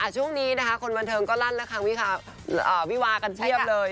ช่วงนี้นะคะคนบันเทิงก็ลั่นละครั้งวิวากันเพียบเลย